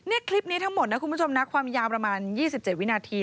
นี่คลิปนี้ทั้งหมดนะคุณผู้ชมนะความยาวประมาณ๒๗วินาที